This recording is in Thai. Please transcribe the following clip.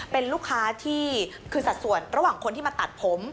เป็นลูกค้าที่คือสัดส่วนระหว่างคนที่มาตัดผม